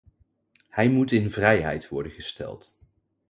Hij moet in vrijheid worden gesteld.